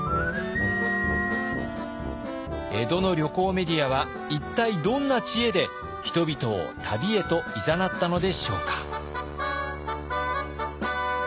江戸の旅行メディアは一体どんな知恵で人々を旅へといざなったのでしょうか？